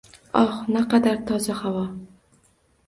Oh, naqadar toza havo